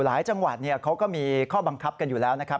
จังหวัดเขาก็มีข้อบังคับกันอยู่แล้วนะครับ